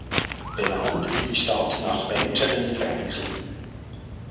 Benannt ist die Stadt nach Benjamin Franklin.